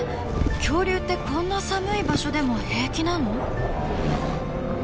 恐竜ってこんな寒い場所でも平気なの？